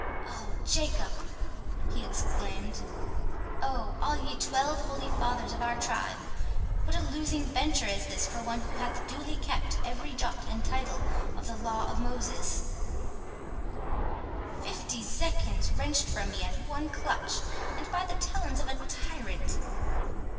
"O, Jacob!" he exclaimed—"O, all ye twelve Holy Fathers of our tribe! what a losing venture is this for one who hath duly kept every jot and tittle of the law of Moses—Fifty zecchins wrenched from me at one clutch, and by the talons of a tyrant!"